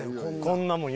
こんなん。